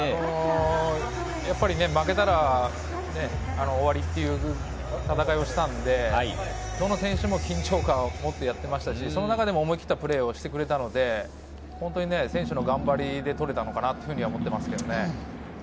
負けたら、終わりっていう戦いをしたので、どの選手も緊張感を持ってやっていましたし、その中で思い切ったプレーをしてくれたので、本当の選手の頑張りで取れたのかなと思っていますね。